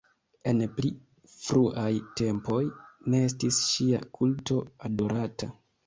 En pli fruaj tempoj ne estis ŝia kulto adorata.